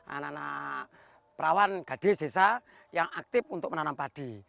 anak anak perawan gadis desa yang aktif untuk menanam padi